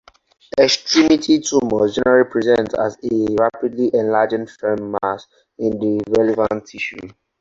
Extremity tumors generally present as a rapidly enlarging, firm mass in the relevant tissue.